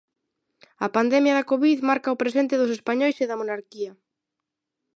A pandemia da covid marca o presente dos españois e da monarquía.